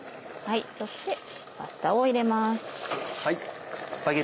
そしてパスタを入れます。